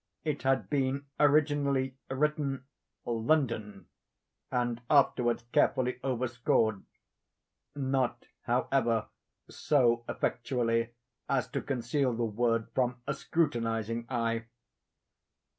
It had been originally written London, and afterwards carefully overscored—not, however, so effectually as to conceal the word from a scrutinizing eye.